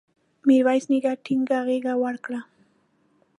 میرویس نیکه ټینګه غېږ ورکړه.